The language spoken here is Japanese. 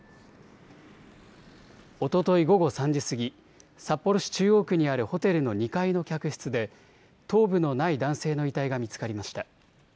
おととい午後３時過ぎ、札幌市中央区にあるホテルの２階の客室で頭部のない男性の遺体が見つかりました。